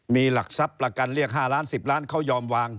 มีหลักทรัพย์ประกันเรียก๕ล้าน๑๐ล้านเขายอมวาง